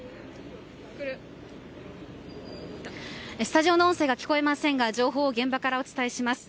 スタジオの音声が聞こえませんが情報を現場からお伝えします。